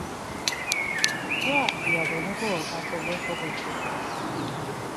ǩra! ya do hekol hakole kogoşibğes.